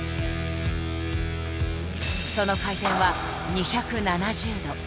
その回転は２７０度。